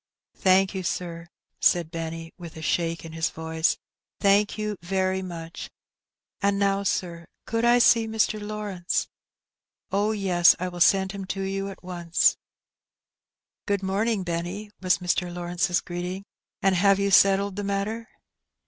''*' Thank you, sir," said Benny, with a shake in his voice, ''thank you very much; and now, sir, could I see Mr. Lawrence ?" "Oh, yes, I will send him to you at once." ''Good morning, Benny," was Mr. Lawrence's greeting; "and have you settled the matter?"